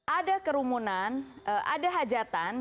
ada kerumunan ada hajatan